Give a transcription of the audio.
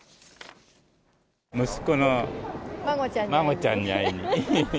息子の孫ちゃんに会いに。